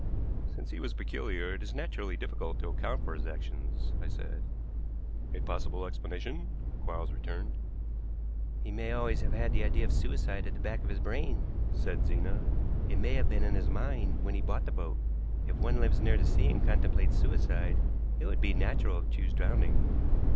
"Since he was peculiar, it is naturally difficult to account for his actions," I said. "A possible explanation," Quarles returned. "He may always have had the idea of suicide at the back of his brain," said Zena. "It may have been in his mind when he bought the boat. If one lives near the sea and contemplates suicide, it would be natural to choose drowning."